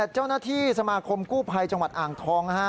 เจ้าหน้าที่สมาคมกู้ภัยจังหวัดอ่างทอง